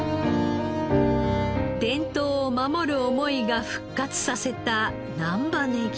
伝統を守る思いが復活させた難波ネギ。